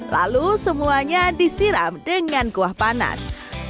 lalu semuanya disiram dengan kuah panas